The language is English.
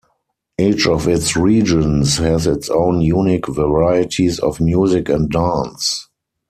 Each of its regions has its own unique varieties of music and dance.